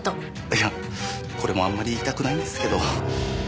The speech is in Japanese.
いやこれもあんまり言いたくないんですけど。